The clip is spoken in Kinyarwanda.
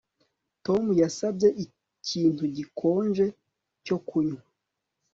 Tom yasabye ikintu gikonje cyo kunywa